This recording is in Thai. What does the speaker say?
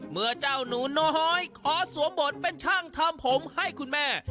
เมื่อเจ้าหนูน้อยขอสวมบทเป็นช่างทำผมให้คุณแม่